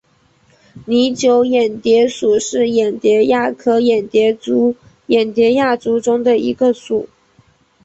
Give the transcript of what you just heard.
拟酒眼蝶属是眼蝶亚科眼蝶族眼蝶亚族中的一个属。